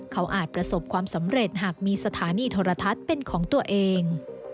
เขาอาจประสบความสำเร็จหากมีสถานีโทรทัศน์เป็นของตัวเอง